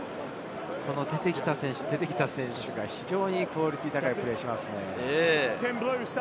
出てきた選手が非常にクオリティーの高いプレーをします。